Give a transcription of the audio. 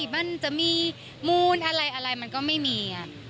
มันจะมีมูลอะไรมันก็ไม่มี